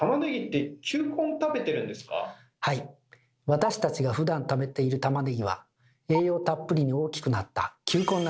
私たちがふだん食べているたまねぎは栄養たっぷりに大きくなった球根なんです。